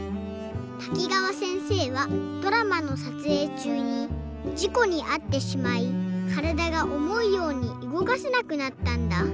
滝川せんせいはドラマのさつえいちゅうにじこにあってしまいからだがおもうようにうごかせなくなったんだ。